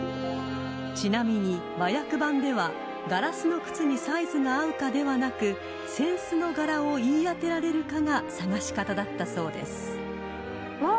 ［ちなみに和訳版ではガラスの靴にサイズが合うかではなく扇子の柄を言い当てられるかが捜し方だったそうです］わ！